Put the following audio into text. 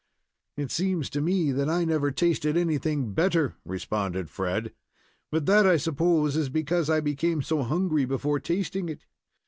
"It seems to me that I never tasted anything better," responded Fred, "but that, I suppose, is because I become so hungry before tasting it."